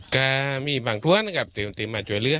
ก็มีบางคนเตรียมมัตรชวยเรื้อ